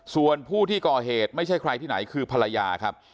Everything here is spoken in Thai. ส่วนผู้ที่ก่อเหตุไม่ใช่ใครที่ไหนคือภรรยาครับ